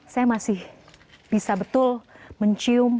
saya masih bisa betul mencium